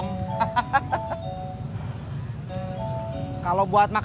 nye njek pagar enapnya ya